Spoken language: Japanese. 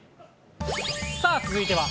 さあ、続いては。